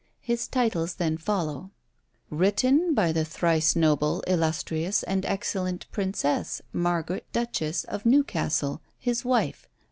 His titles then follow: "Written by the Thrice Noble, Illustrious, and Excellent Princess, Margaret Duchess of Newcastle, his wife.